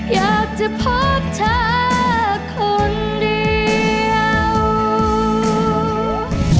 อยากจะพบเธอคนเดียว